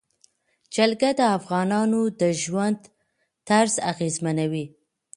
جلګه د افغانانو د ژوند طرز اغېزمنوي.